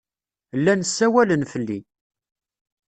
Llan ssawalen fell-i.